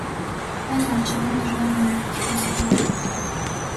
Մեզ առջևում դժվար օրեր են սպասվում։